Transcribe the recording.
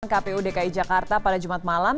kpu dki jakarta pada jumat malam